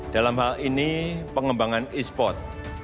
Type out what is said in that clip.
dalam hal ini pengembangan e sport